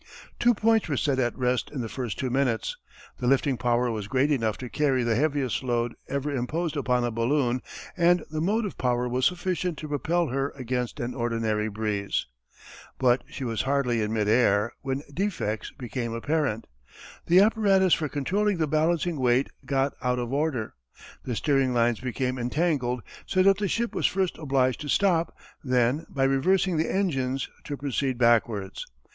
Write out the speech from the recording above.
Two points were set at rest in the first two minutes the lifting power was great enough to carry the heaviest load ever imposed upon a balloon and the motive power was sufficient to propel her against an ordinary breeze. But she was hardly in mid air when defects became apparent. The apparatus for controlling the balancing weight got out of order. The steering lines became entangled so that the ship was first obliged to stop, then by reversing the engines to proceed backwards.